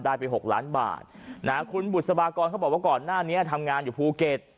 ได้ไปหกล้านบาทนะฮะคุณบุษบากรเขาบอกว่าก่อนหน้านี้ทำงานอยู่ภูเก็ต